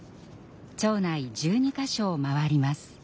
町内１２か所を回ります。